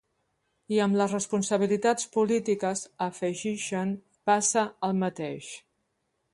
I amb les responsabilitats polítiques, afegixen, “passa el mateix”.